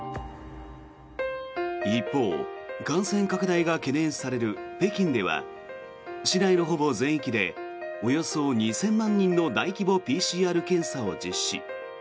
一方感染拡大が懸念される北京では市内のほぼ全域でおよそ２０００万人の大規模ＰＣＲ検査を実施。